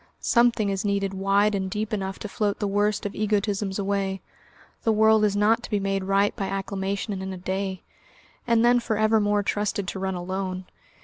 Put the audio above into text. Something is needed wide and deep enough to float the worst of egotisms away. The world is not to be made right by acclamation and in a day, and then for ever more trusted to run alone.